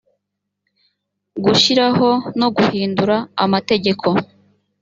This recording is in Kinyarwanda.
gushyiraho no guhindura amategeko